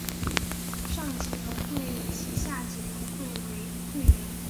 上级农会以其下级农会为会员。